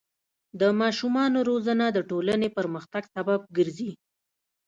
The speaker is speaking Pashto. د ماشومانو روزنه د ټولنې پرمختګ سبب ګرځي.